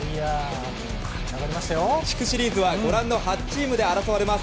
地区シリーズはご覧の８チームで争われます。